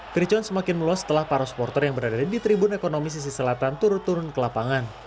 kericuan semakin meluas setelah para supporter yang berada di tribun ekonomi sisi selatan turun turun ke lapangan